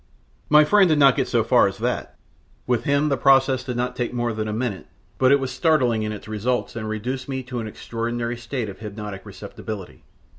My friend did not get as far as that. With him the process did not take more than a minute, but it was startling in its results, and reduced me to an extraordinary state of hypnotic receptibility.